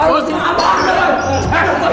lo sih apaan